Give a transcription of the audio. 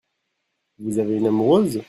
Vous avez une amoureuse ?